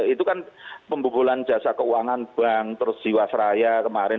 itu kan pembukulan jasa keuangan bank terus jiwasraya kemarin